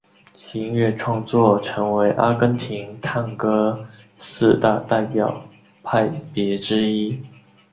其音乐创作成为阿根廷探戈四大代表派别之一。